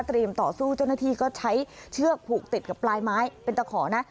ต่อสู้เจ้าหน้าที่ก็ใช้เชือกผูกติดกับปลายไม้เป็นตะขอนะ